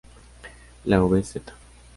La vz.